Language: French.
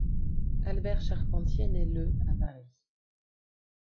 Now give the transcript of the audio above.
Albert Charpentier naît le à Paris.